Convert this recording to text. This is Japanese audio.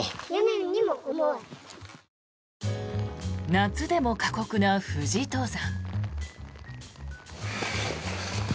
夏でも過酷な富士登山。